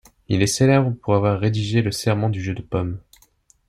Il est célèbre pour avoir rédigé le serment du Jeu de Paume.